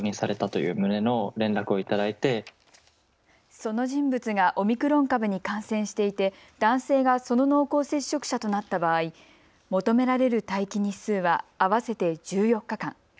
その人物がオミクロン株に感染していて、男性がその濃厚接触者となった場合、求められる待機日数は合わせて１４日間。